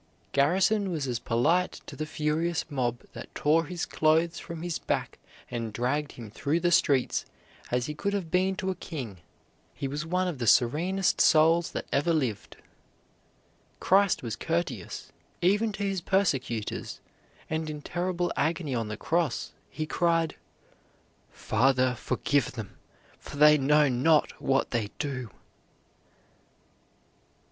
Garrison was as polite to the furious mob that tore his clothes from his back and dragged him through the streets as he could have been to a king. He was one of the serenest souls that ever lived. Christ was courteous, even to His persecutors, and in terrible agony on the cross, He cried: "Father, forgive them, for they know not what they do."